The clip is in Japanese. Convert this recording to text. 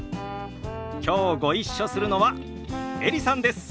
きょうご一緒するのはエリさんです。